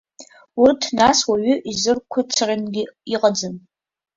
Урҭ нас уаҩы изырқәацарангьы иҟаӡам.